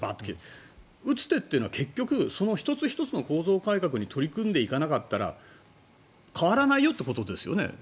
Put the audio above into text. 打つ手というのは結局その１つ１つの構造改革に取り組んでいかなかったら変わらないよってことですよね。